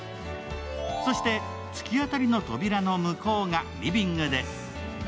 そして、突き当たりの扉の向こうがリビングです。